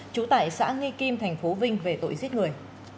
trú tại xã nghi kim tp vinh về tội giết người